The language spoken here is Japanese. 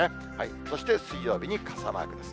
そして水曜日に傘マークです。